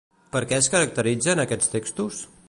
Per què es caracteritzen aquests textos?